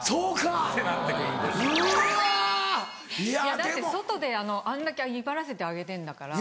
だって外であんだけ威張らせてあげてんだから。